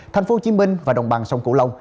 thành phố hồ chí minh và đồng bằng sông cổ lông